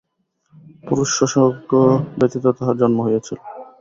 পুরুষসংসর্গ ব্যতীত তাঁহার জন্ম হইয়াছিল।